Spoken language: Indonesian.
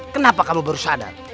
kenapa kamu baru sadar